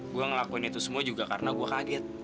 gue ngelakuin itu semua juga karena gue kaget